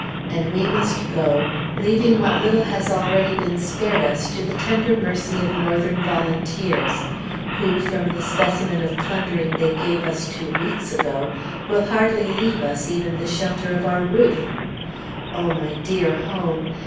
And we must go, leaving what little has already been spared us to the tender mercies of Northern volunteers, who, from the specimen of plundering they gave us two weeks ago, will hardly leave us even the shelter of our roof. O my dear Home!